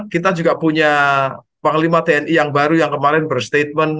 kita juga punya panglima tni yang baru yang kemarin berstatement